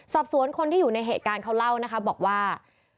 สอบสวนคนที่อยู่ในเหตุการณ์เขาเล่านะคะบอกว่า